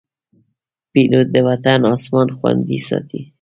پیلوټ د وطن اسمان خوندي ساتي.